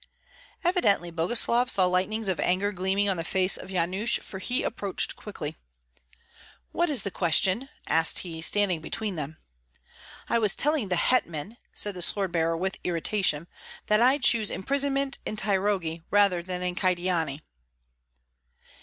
Evidently Boguslav saw lightnings of anger gleaming on the face of Yanush, for he approached quickly. "What is the question?" asked he, standing between them. "I was telling the hetman," said the sword bearer, with irritation, "that I choose imprisonment in Taurogi rather than in Kyedani."